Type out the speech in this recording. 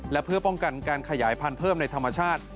และเพื่อป้องกันการขยายพันธุ์เพิ่มในธรรมชาติ